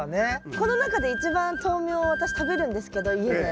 この中で一番豆苗私食べるんですけど家で。